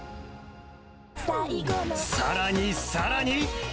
さらに、さらに。